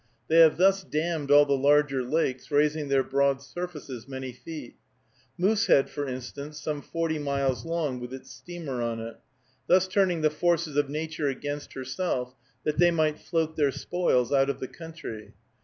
They have thus dammed all the larger lakes, raising their broad surfaces many feet; Moosehead, for instance, some forty miles long, with its steamer on it; thus turning the forces of nature against herself, that they might float their spoils out of the country.